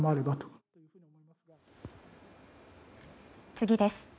次です。